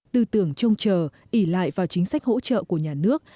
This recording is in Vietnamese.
tư tưởng trông chờ ỉ lại vào chính sách hỗ trợ của nhà nước